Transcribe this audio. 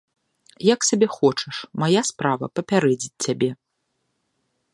Як сабе хочаш, мая справа папярэдзіць цябе.